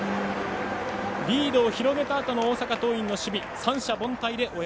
リードを広げたあとの大阪桐蔭の守備。